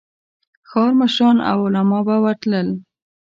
ښار مشران او علماء به ورتلل.